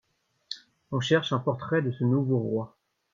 On cherche un portrait de ce nouveau roi.